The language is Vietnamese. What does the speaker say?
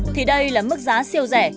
thì đây là mức giá siêu rẻ